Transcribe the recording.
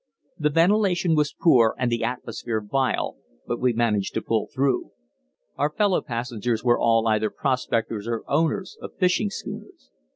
The ventilation was poor and the atmosphere vile, but we managed to pull through. Our fellow passengers were all either prospectors or owners of fishing schooners.